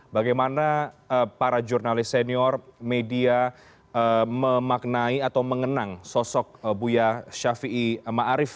bagaimana para jurnalis senior media memaknai atau mengenang sosok buya syafi'i ma'arif